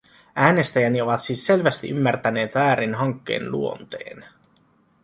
Äänestäjäni ovat siis selvästi ymmärtäneet väärin hankkeen luonteen.